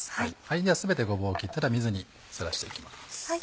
では全てごぼう切ったら水にさらしていきます。